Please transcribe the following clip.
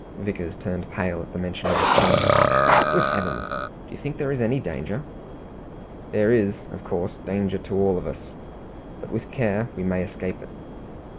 Vickers turned pale at the mention of his child. "Good Heaven! do you think there is any danger?" "There is, of course, danger to all of us; but with care we may escape it.